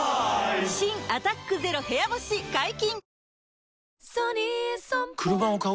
新「アタックＺＥＲＯ部屋干し」解禁‼